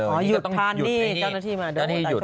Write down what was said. อ่อยดทางนี้เจ้าหน้าที่เย็น